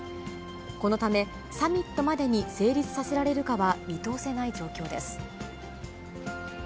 このため、サミットまでに成立させられるかは見通せない状況です。